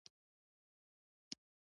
• ژړا د زړه درد ښکاره کوي.